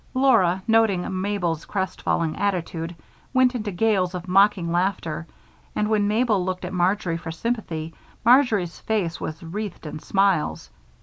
Laura, noting Mabel's crestfallen attitude, went into gales of mocking laughter and when Mabel looked at Marjory for sympathy Marjory's face was wreathed in smiles.